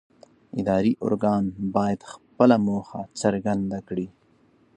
اداري ارګان باید خپله موخه څرګنده کړي.